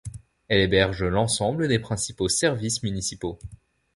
Elle héberge l'ensemble des principaux services municipaux.